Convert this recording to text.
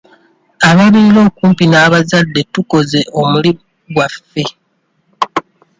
Ababeera okumpi n'abazadde tukoze omuli gwaffe.